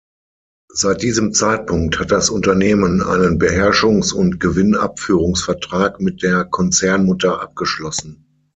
Seit diesem Zeitpunkt hat das Unternehmen einen Beherrschungs- und Gewinnabführungsvertrag mit der Konzernmutter abgeschlossen.